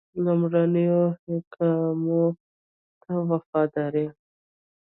لومړنیو احکامو ته وفاداري.